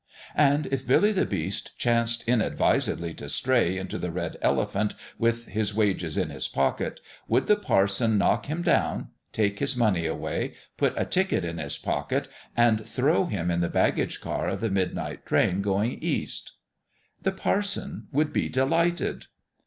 And if Billy the Beast chanced inadvisedly to stray into the Red Elephant with his wages in his pocket, would the parson knock 1 1 6 BILLY the BEAST STARTS HOME him down, take his money away, put a ticket in his pocket and throw him in the baggage car of the midnight train going east ? The parson would be delighted